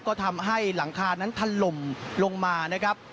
ก็ทำให้หลังคานั้นถล่มลงมานะครับ